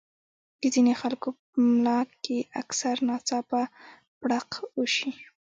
د ځينې خلکو پۀ ملا کښې اکثر ناڅاپه پړق اوشي